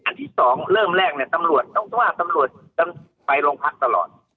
อาทิตย์๒เริ่มแรกต้องว่าตำรวจจะไปลงพักตลอด